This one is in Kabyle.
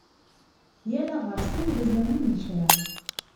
Yal aɣersiw d azamul n kra.